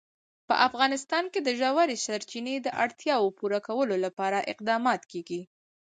په افغانستان کې د ژورې سرچینې د اړتیاوو پوره کولو لپاره اقدامات کېږي.